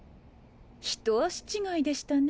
一足違いでしたね